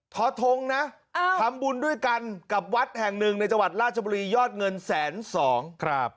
ทอทงนะทำบุญด้วยกันกับวัดแห่งหนึ่งในจังหวัดราชบุรียอดเงินแสนสองครับ